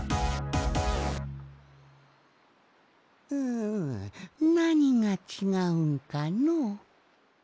んなにがちがうんかのう。